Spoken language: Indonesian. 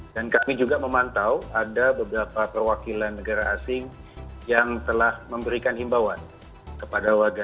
dan kami juga memantau ada beberapa perwakilan negara asing yang telah memberikan himbawan kepada warganya